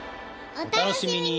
お楽しみに！